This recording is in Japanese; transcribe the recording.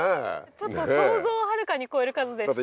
ちょっと想像をはるかに超える数でした。